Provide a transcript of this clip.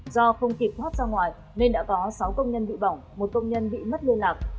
do không kịp thoát ra ngoài nên đã có sáu công nhân bị bỏng một công nhân bị mất liên lạc